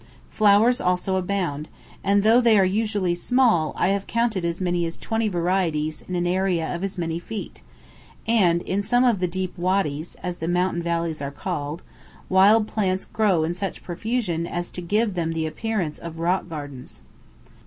Flowers also abound, and though they are usually small, I have counted as many as twenty varieties in an area of as many feet, and in some of the deep "wadis," as the mountain valleys are called, wild plants grow in such profusion as to give them the appearance of rock gardens.